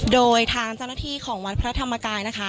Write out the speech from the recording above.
โดยทางเจ้าหน้าที่ของวัดพระธรรมกายนะคะ